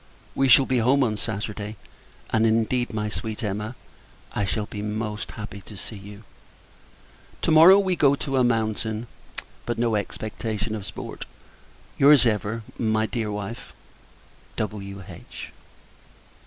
We shall be home on Saturday; and, indeed, my sweet Emma, I shall be most happy to see you. To morrow, we go to a mountain; but no great expectation of sport. Your's, ever, my dear wife, W.H.